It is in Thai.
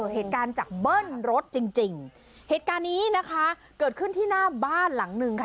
เหตุการณ์จากเบิ้ลรถจริงจริงเหตุการณ์นี้นะคะเกิดขึ้นที่หน้าบ้านหลังหนึ่งค่ะ